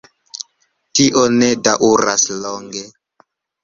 Tio ne daŭras longe.